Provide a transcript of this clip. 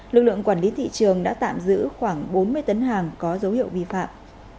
lực lượng quản lý thị trường đã tạm giữ khoảng bốn mươi tấn hàng có dấu hiệu vi phạm